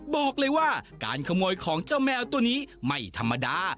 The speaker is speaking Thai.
บอกเลยว่าการขโมยของเจ้าแมวตัวนี้ไม่ธรรมดา